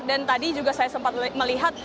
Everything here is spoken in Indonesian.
dan tadi juga saya sempat melihat